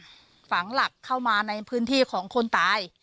ฝังหลักเข้ามาในพื้นที่ของคนตาย